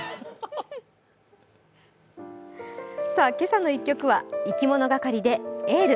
「けさの１曲」はいきものがかりで「ＹＥＬＬ」。